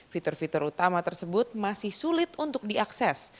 fitur fitur utama tersebut masih sulit untuk diakses